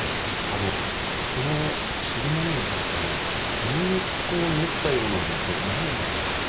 あのこの汁物に入ってるこの小麦粉を練ったようなのこれ何なんですか？